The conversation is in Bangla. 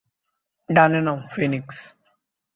ডানে নাও, ফিনিক্স!